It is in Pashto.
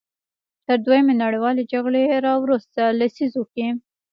تر دویمې نړیوالې جګړې راوروسته لسیزو کې.